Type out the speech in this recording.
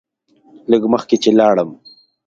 لږ مخکې چې لاړم.